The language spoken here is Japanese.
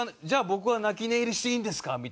「じゃあ僕は泣き寝入りしていいんですか？」